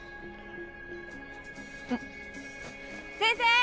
あっ先生！